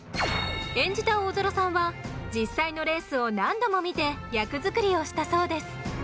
演じた大空さんは実際のレースを何度も見て役作りをしたそうです。